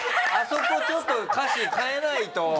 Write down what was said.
あそこちょっと歌詞変えないと。